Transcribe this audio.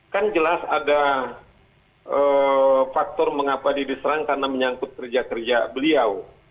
kan jelas ada faktor mengapa dia diserang karena menyangkut kerja kerja beliau